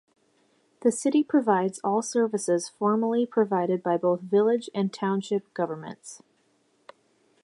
The city provides all services formerly provided by both village and township governments.